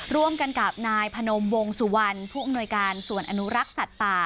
ร่วมกันกับนายพนมวงสุวรรณผู้อำนวยการส่วนอนุรักษ์สัตว์ป่า